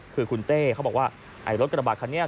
คือคุณเต้เขาบอกว่าไอ้รถกระบาดคันนี้